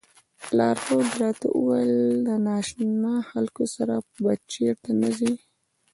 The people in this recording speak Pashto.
لارښود راته وویل له نا اشنا خلکو سره به چېرته نه ځئ.